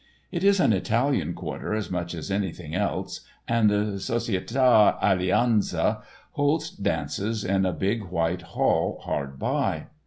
It is an Italian quarter as much as anything else, and the Societa Alleanza holds dances in a big white hall hard by.